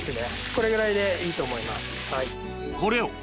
これぐらいでいいと思います。